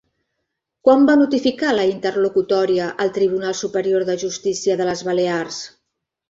Quan va notificar la interlocutòria el Tribunal Superior de Justícia de les Balears?